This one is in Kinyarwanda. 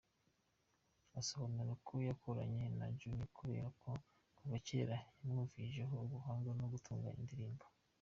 Asobanura ko yakoranye na Junior kubera ko kuva cyera yamwumvisheho ubuhanga mu gutunganya indirimbo.